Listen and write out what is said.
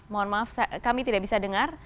mohon maaf kami tidak bisa dengar